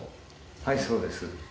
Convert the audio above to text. はいそうです。